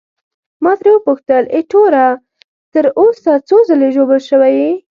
ما ترې وپوښتل: ایټوره، تر اوسه څو ځلي ژوبل شوی یې؟